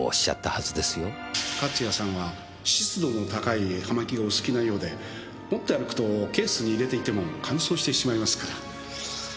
勝谷さんは湿度の高い葉巻がお好きなようで持って歩くとケースに入れていても乾燥してしまいますから。